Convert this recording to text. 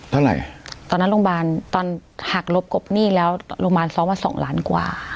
เท่าไหร่ตอนนั้นโรงพยาบาลตอนหักลบกบหนี้แล้วโรงพยาบาลซ้อมมาสองล้านกว่า